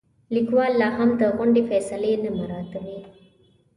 لیکوال لاهم د غونډې فیصلې نه مراعاتوي.